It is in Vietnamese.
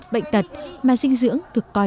bệnh tật mà dinh dưỡng được coi